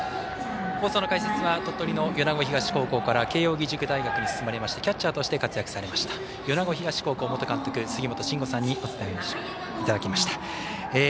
放送の解説は鳥取の米子東高校から慶応義塾大学に進まれてキャッチャーとして活躍された米子東高校元監督杉本真吾さんにお伝えいただきました。